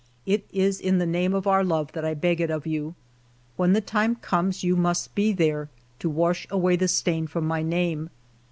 It is in the name of our love that I beg it of you. When the time comes, you must be there to wash away the stain from my name.